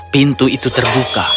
pintu itu terbuka